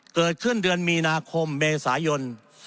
เกิดขึ้นเดือนมีนาคมเมษายน